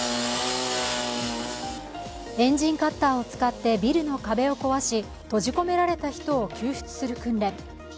エンジンカッターを使ってビルの壁を壊し、閉じ込められた人を救出する訓練。